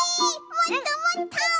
もっともっと！